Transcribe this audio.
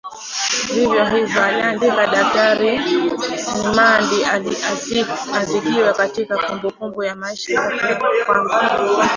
Vivyo hivyo aliandika Daktari Nmandi Azikiwe katika kumbukumbu ya maisha yake ya kwamba